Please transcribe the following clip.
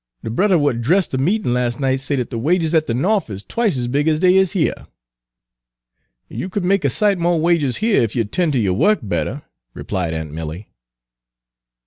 "De brother what 'dressed de meetin' las' night say dat de wages at de Norf is twicet ez big ez dey is heah." "You could make a sight mo' wages heah ef you'd 'ten' ter yo' wuk better," replied aunt Milly.